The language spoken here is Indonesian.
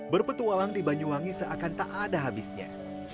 berpetualang di banyuwangi seakan tak ada habisnya